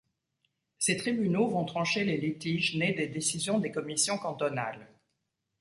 Ces tribunaux vont trancher les litiges nés des décisions des commissions cantonales.